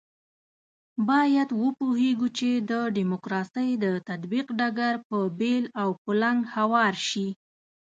باید وپوهېږو چې د ډیموکراسۍ د تطبیق ډګر په بېل او کلنګ هوار شي.